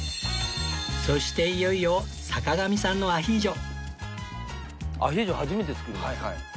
そしていよいよ坂上さんのアヒージョ